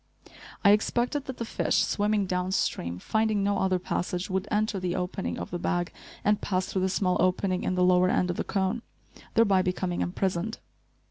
I expected that the fish, swimming downstream, finding no other passage, would enter the opening of the bag and pass through the small opening in the lower end of the cone, thereby becoming imprisoned.